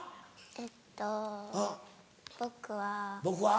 えっと僕は。